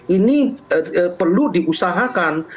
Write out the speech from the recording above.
ini perlu diusahakan